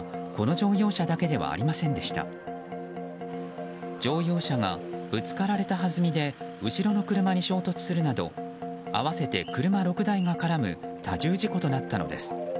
乗用車が、ぶつかられたはずみで後ろの車に衝突するなど合わせて車６台が絡む多重事故となったのです。